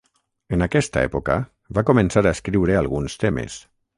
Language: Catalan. En aquesta època va començar a escriure alguns temes.